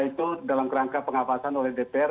itu dalam rangka pengawasan oleh dpr